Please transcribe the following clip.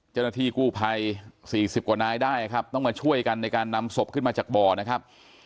เจ้าหน้าที่กู้ภัย๔๐กว่านายได้ครับต้องมาช่วยกันในการนำศพขึ้นมาจากบ่อนะครับ